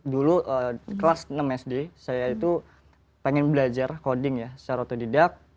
dulu kelas enam sd saya itu pengen belajar coding ya secara otodidak